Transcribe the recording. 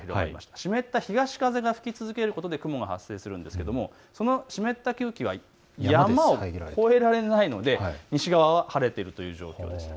湿った東風が吹き続けることで雲が発生するんですが湿った空気は山を越えられないので西側は晴れている状態です。